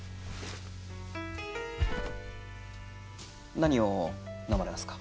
何を飲まれますか？